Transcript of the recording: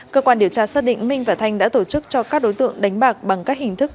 cơ quan điều tra xác định minh và thanh đã tổ chức cho các đối tượng đánh bạc bằng các hình thức